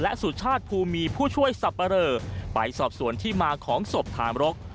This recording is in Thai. สุชาติภูมีผู้ช่วยสับปะเรอไปสอบสวนที่มาของศพฐานรก